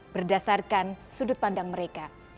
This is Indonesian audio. berdasarkan sudut pandang mereka